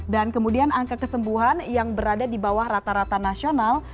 dan kemudian angka kesembuhan yang berada di bawah rata rata nasional